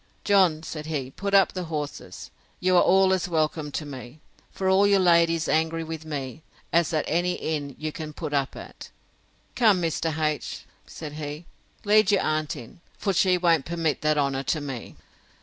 John, said he, put up the horses; you are all as welcome to me, for all your lady's angry with me, as at any inn you can put up at. Come, Mr. H——, said he, lead your aunt in; for she won't permit that honour to me.